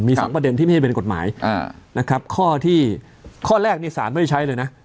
มี๒ประเด็นที่ไม่ได้เป็นกฎหมายข้อที่ข้อแรกนี่ศาลไม่ได้ใช้เลยนะ